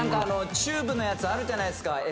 チューブのやつあるじゃないですか。